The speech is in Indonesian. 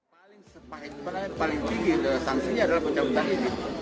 paling tinggi sanksinya adalah pecah pecah ini